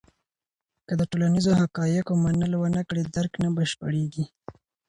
که د ټولنیزو حقایقو منل ونه کړې، درک نه بشپړېږي.